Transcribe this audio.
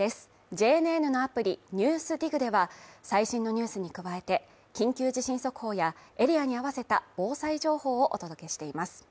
ＪＮＮのアプリ「ＮＥＷＳＤＩＧ」では最新のニュースに加えて、緊急地震速報やエリアに合わせた防災情報をお届けしています。